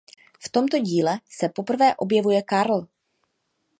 V tomto díle se poprvé objevuje Carl.